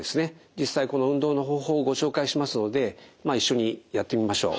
実際この運動の方法をご紹介しますので一緒にやってみましょう。